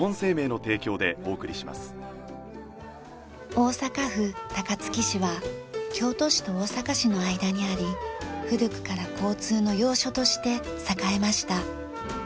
大阪府高槻市は京都市と大阪市の間にあり古くから交通の要所として栄えました。